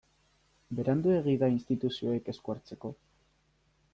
Beranduegi da instituzioek esku hartzeko?